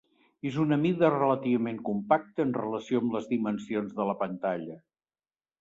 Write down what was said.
És una mida relativament compacta en relació amb les dimensions de la pantalla.